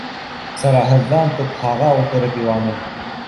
Сараһыҙҙан, тупһаға ултырып иланым.